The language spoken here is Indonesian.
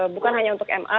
bukan hanya untuk ma